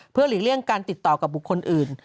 เพื่อหลีกเลี่ยงการติดต่อกับบุคคลอื่น